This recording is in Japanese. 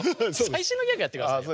最近のギャグやってください。